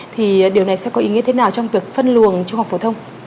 thì điều này sẽ có ý nghĩa thế nào trong việc phân luồng trung học phổ thông